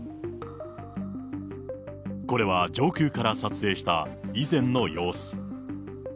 これは上空から撮影した以前の様子。